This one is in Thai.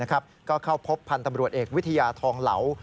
ก็เข้าพบพันธ์ตำรวจเอกวิทยาทองเหลา